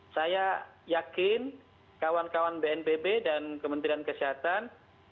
saya yakin kawan kawan bnpb dan kementerian kesehatan